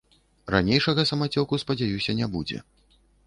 Ранейшага самацёку, спадзяюся, не будзе.